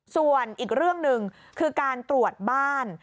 ส่วนอีกเรื่องหนึ่งคือการตรวจบ้าน